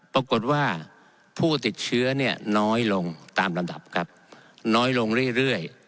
ปรากฏว่าผู้ติดเชื้อเนี่ยน้อยลงตามลำดับครับน้อยลงเรื่อย